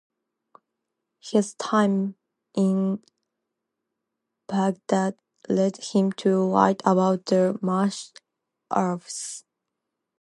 His time in Baghdad led him to write about the Marsh Arabs.